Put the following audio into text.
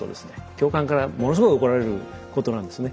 教官からものすごい怒られることなんですね。